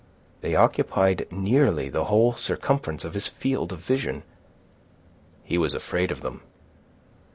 They occupied nearly the whole circumference of his field of vision. He was afraid of them.